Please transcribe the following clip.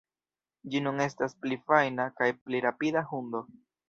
Ĝi nun estas pli fajna kaj pli rapida hundo.